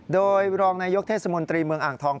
โดยรองนายกเทศมนตรีเมืองอ่างทอง